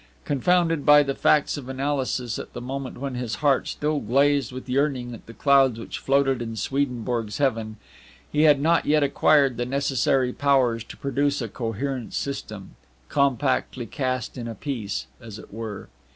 Confounded by the facts of analysis at the moment when his heart still gazed with yearning at the clouds which floated in Swedenborg's heaven, he had not yet acquired the necessary powers to produce a coherent system, compactly cast in a piece, as it were.